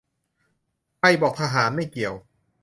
ใครบอกทหารไม่เกี่ยว